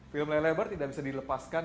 film leleber tidak bisa dilepaskan